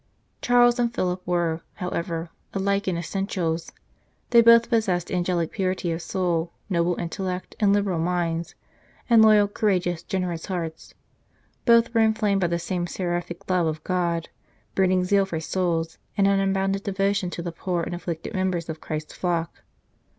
Charles and Philip were, however, alike in essentials; they both possessed angelic purity of soul, noble, intellectual, and liberal minds, and loyal, courageous, generous hearts. Both were inflamed by the same seraphic love of God, burning zeal for souls, and an unbounded devotion to the poor and afflicted members of Christ s flock.